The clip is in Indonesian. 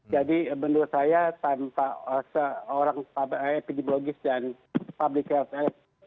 jadi menurut saya tanpa seorang epidemiologis dan public health expert